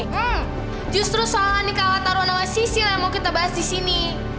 hmm justru soalnya honey kalah taruhan sama sisil yang mau kita bahas disini